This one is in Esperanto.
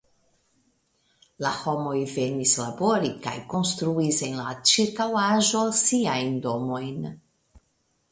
La homoj venis labori kaj konstruis en la ĉirkaŭaĵo siajn domojn.